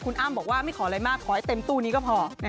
คุณอ้ำบอกว่าไม่ขออะไรมากขอให้เต็มตู้นี้ก็พอ